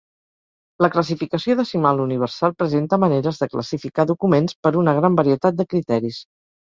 La Classificació Decimal Universal presenta maneres de classificar documents per una gran varietat de criteris.